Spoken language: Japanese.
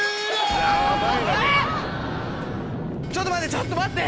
ちょっと待って！